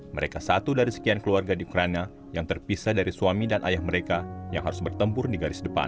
mereka satu dari sekian keluarga di ukraina yang terpisah dari suami dan ayah mereka yang harus bertempur di garis depan